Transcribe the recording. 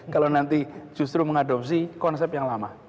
kalau nanti justru mengadopsi konsep yang lama